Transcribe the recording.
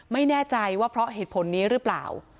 ไม่แน่ใจว่าเพราะเหตุผลนี้หรือเปล่า